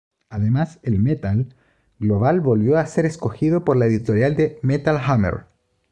Además, el "metal" global volvió a ser escogido por la editorial de "Metal Hammer".